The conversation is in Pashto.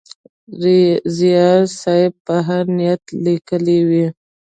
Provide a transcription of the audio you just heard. زیار صېب په هر نیت لیکلی وي.